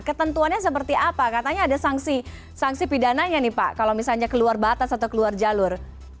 ketentuannya seperti apa katanya ada sanksi pidananya nih pak kalau misalnya keluar batas atau keluar jalur